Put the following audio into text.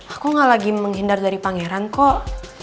aku gak lagi menghindar dari pangeran kok